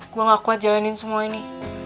gue gak kuat jalanin semua ini